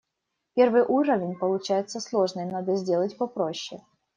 Первый уровень получается сложный, надо сделать попроще.